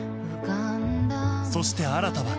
そして新は